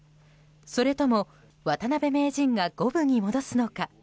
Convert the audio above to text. それとも渡辺名人が五分に戻すのか。